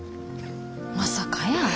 まさかやー。